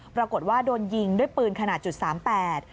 ปรากฏว่าโดนยิงด้วยปืนขนาดจุดสามแปด